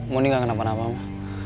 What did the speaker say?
mondi gak kenapa napa ma